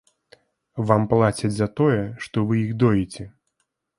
Вам плацяць за тое, што вы іх доіце.